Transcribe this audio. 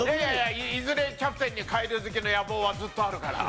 いずれキャプテンに返り咲きの野望はずっとあるから。